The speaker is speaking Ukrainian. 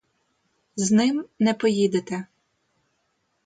З ним не поїдете.